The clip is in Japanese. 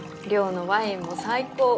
稜のワインも最高。